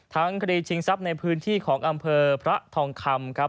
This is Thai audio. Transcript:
คดีชิงทรัพย์ในพื้นที่ของอำเภอพระทองคำครับ